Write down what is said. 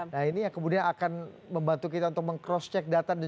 nah ini yang kemudian akan membantu kita untuk meng cross check data